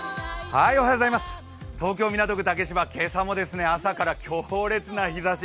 東京・港区竹芝、今朝も朝から強烈な日ざし。